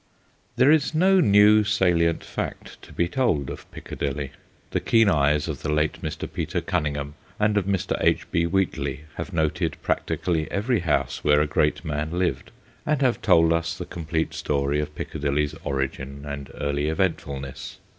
There is no new, salient fact to be told of Piccadilly. The keen eyes of the late Mr. Peter Cunningham and of Mr. H. B. Wheat ley have noted practically every house where a great man lived, and have told us the complete story of Piccadilly's origin and TU viii THE GHOSTS OF PICCADILLY early eventfulness.